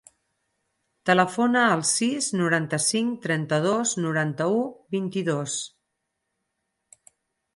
Telefona al sis, noranta-cinc, trenta-dos, noranta-u, vint-i-dos.